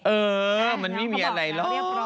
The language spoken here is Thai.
เออมันไม่มีอะไรหรอก